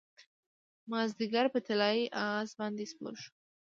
مازدیګر په طلايي اس باندې سپور شو